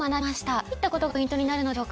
どういったことがポイントになるのでしょうか？